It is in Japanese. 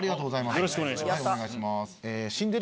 よろしくお願いします。